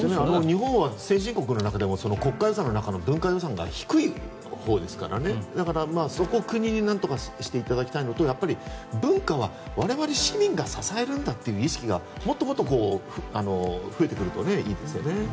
日本は先進国の中でも国家予算の文化予算が低いほうですからそこを国になんとかしていただきたいのと文化は我々市民が支えるんだという意識がもっともっと増えてくるといいですよね。